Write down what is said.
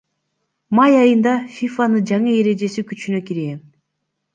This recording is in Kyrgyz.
Май айында ФИФАнын жаңы эрежеси күчүнө кирген.